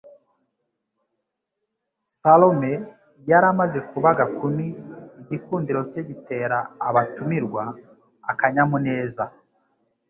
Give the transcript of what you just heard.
Salome yari amaze kuba agakumi; igikundiro cye gitera abatumirwa akanyamuneza.